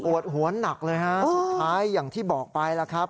วดหวนหนักเลยฮะสุดท้ายอย่างที่บอกไปแล้วครับ